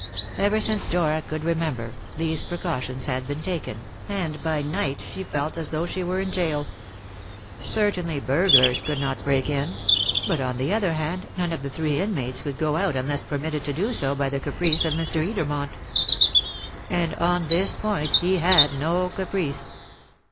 Ever since Dora could remember, these precautions had been taken, and by night she felt as though she were in gaol. Certainly burglars could not break in; but, on the other hand, none of the three inmates could get out unless permitted to do so by the caprice of Mr. Edermont. And on this point he had no caprice.